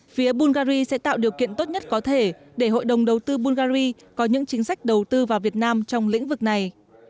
phía bungary sẽ tạo điều kiện tốt nhất có thể để hội đồng đầu tư bungary có những chính sách đầu tư vào việt nam trong lĩnh vực này